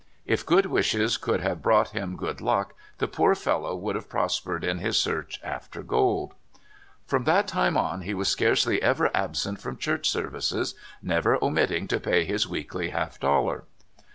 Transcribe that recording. If good wishes could have brought him good luck, the poor fellow would have prospered in his search after gold. From that time on he was scarcely ever absent from church services, never omitting to pay his weekly half dollar.